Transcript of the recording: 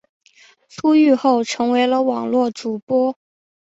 出狱后成为了网络主播。